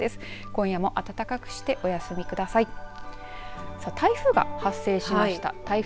今夜も暖かくしてお過ごしください。